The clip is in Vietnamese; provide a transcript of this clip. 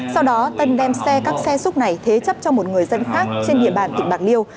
sau đó tân đem xe các xe xúc này thế chấp cho một người dân khác trên địa bàn tỉnh bạc liêu